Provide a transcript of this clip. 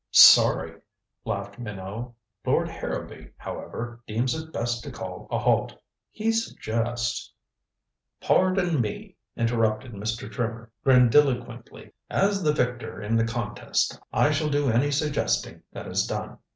"Sorry," laughed Minot. "Lord Harrowby, however, deems it best to call a halt. He suggests " "Pardon me," interrupted Mr. Trimmer grandiloquently. "As the victor in the contest, I shall do any suggesting that is done.